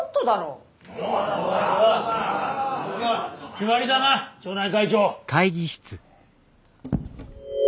決まりだな町内会長。